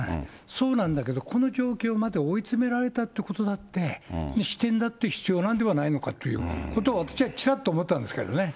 そうなんだけど、この状況まで追い詰められたということだって、視点だって必要なんではないかと、私はちらっと思ったんですけどね。